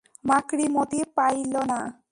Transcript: মাকড়ি মতি পাইল না।